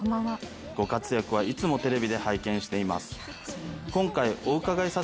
ご活躍はいつもテレビで拝見させていただいております。